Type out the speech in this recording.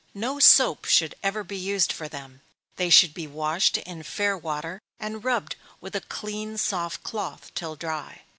_ No soap should ever be used for them they should be washed in fair water, and rubbed with a clean, soft cloth, till dry.